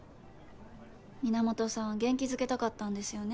源さん元気づけたかったんですよね。